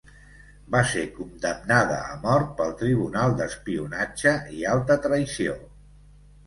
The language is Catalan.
Va ser condemnada a mort pel Tribunal d'Espionatge i Alta Traïció.